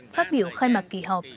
phát biểu khai mạc kỳ họp